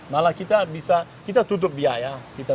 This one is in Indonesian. malah kita bisa kita tutup biaya